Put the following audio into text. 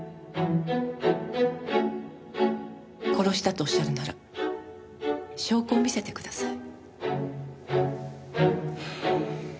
殺したとおっしゃるなら証拠を見せてください。